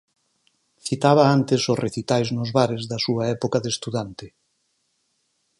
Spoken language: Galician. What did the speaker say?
Citaba antes os recitais nos bares da súa época de estudante.